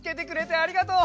ありがとう。